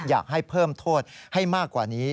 อยากให้เพิ่มโทษให้มากกว่านี้